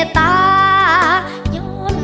เพราะเธอชอบเมือง